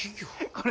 あれ？